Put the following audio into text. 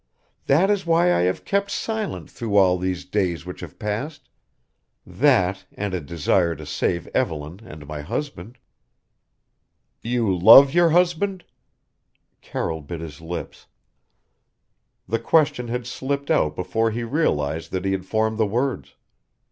That is why I have kept silent through all these days which have passed that and a desire to save Evelyn and my husband." "You love your husband?" Carroll bit his lips. The question had slipped out before he realized that he had formed the words.